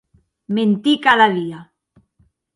Mentir cada dia!